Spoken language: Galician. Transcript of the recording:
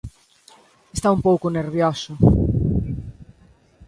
Está un pouco nervioso...